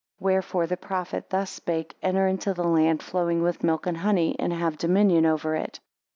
Wherefore the prophet thus spake, Enter into the land flowing with milk and honey, and have dominion over it.